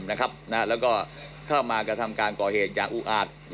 แล้วก็เข้ามากระทำการก่อเหตุอย่างอุอาจ